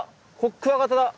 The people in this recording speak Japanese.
クワガタだ。